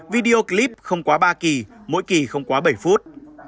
video clip không quá ba kỳ mỗi kỳ không quá bảy phút